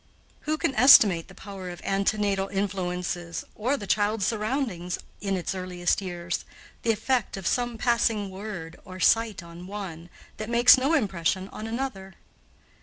Who can estimate the power of antenatal influences, or the child's surroundings in its earliest years, the effect of some passing word or sight on one, that makes no impression on another?